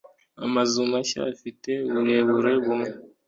Amazu mashya afite uburebure bumwe.